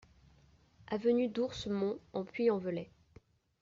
Avenue d'Ours Mons au Puy-en-Velay